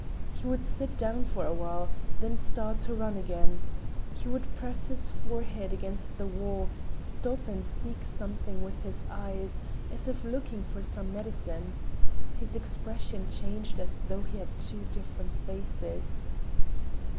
He would sit down for awhile, then start to run again, he would press his forehead against the wall, stop and seek something with his eyes—as if looking for some medicine. His expression changed as though he had two different faces.